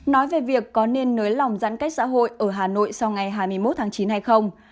nói về việc có nên nới lỏng giãn cách xã hội ở hà nội sau ngày hai mươi một tháng chín hay không